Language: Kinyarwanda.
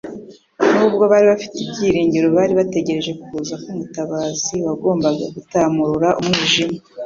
nubwo bari bafite ibyiringiro bari bategereje kuza k'umutabazi wagombaga gutamurura umwijima